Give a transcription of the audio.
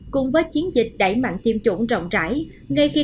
cùng với chiến dịch đẩy mạng tiêm chủng rộng rãi